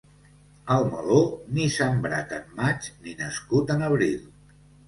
El meló, ni sembrat en maig ni nascut en abril.